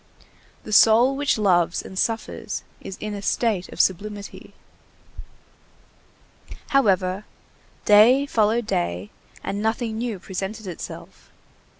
The soul which loves and suffers is in a state of sublimity. However, day followed day, and nothing new presented itself.